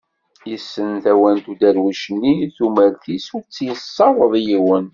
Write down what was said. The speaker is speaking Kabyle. Yesssen tawant uderwic nni tumert-is ur tt-yessaweḍ yiwen.